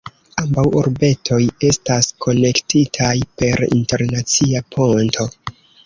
Ambaŭ urbetoj estas konektitaj per internacia ponto.